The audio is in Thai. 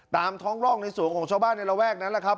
ตามท้องร่องในสวนของชาวบ้านในระแวกนั้นแหละครับ